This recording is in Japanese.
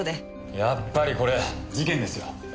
やっぱりこれ事件ですよ。